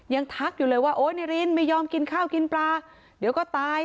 ทักอยู่เลยว่าโอ๊ยนายรินไม่ยอมกินข้าวกินปลาเดี๋ยวก็ตาย